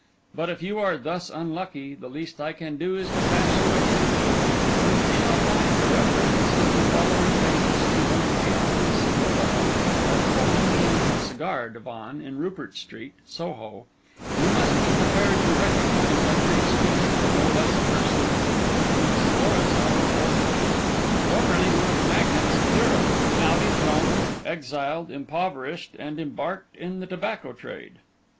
But if you are thus unlucky, the least I can do is to pass you a hint. When you shall find a reference in the following pages to one Theophilus Godall of the Bohemian Cigar Divan in Rupert Street, Soho, you must be prepared to recognise, under his features, no less a person than Prince Florizel of Bohemia, formerly one of the magnates of Europe, now dethroned, exiled, impoverished, and embarked in the tobacco trade.